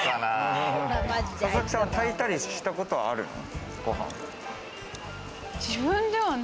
佐々木さんは炊いたりしたことはあるの？